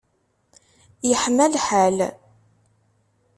Yeḥma lḥal.